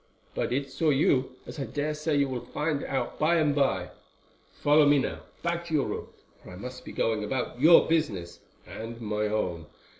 "But it saw you, as I dare say you will find out by and by. Follow me now back to your room, for I must be going about your business—and my own.